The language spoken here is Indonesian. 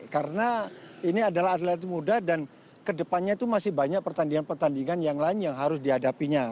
karena ini adalah atlet muda dan kedepannya itu masih banyak pertandingan pertandingan yang lain yang harus dihadapinya